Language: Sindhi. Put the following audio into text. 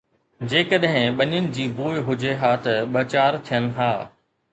جيڪڏهن ٻنين جي بوءِ هجي ها ته ٻه چار ٿين ها